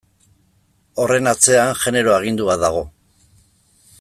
Horren atzean genero agindu bat dago.